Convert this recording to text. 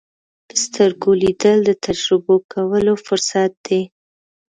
په سترګو لیدل د تجربه کولو فرصت دی